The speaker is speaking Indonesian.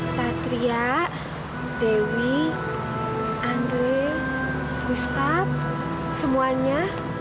satria dewi andre ustadz semuanya